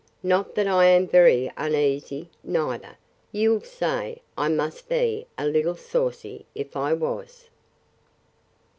—Not that I am very uneasy, neither.—You'll say, I must be a little saucy, if I was.